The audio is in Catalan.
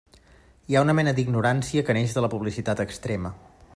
Hi ha una mena d'ignorància que neix de la publicitat extrema.